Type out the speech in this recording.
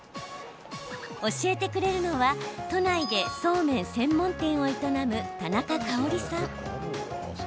教えてくれるのは都内でそうめん専門店を営む田中嘉織さん。